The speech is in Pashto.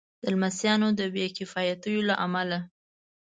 د لمسیانو د بې کفایتیو له امله.